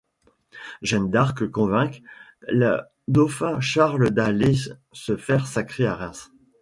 Jeanne d'Arc convainc le dauphin Charles d’aller se faire sacrer à Reims.